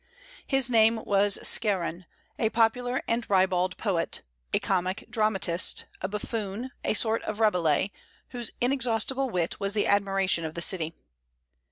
His name was Scarron, a popular and ribald poet, a comic dramatist, a buffoon, a sort of Rabelais, whose inexhaustible wit was the admiration of the city.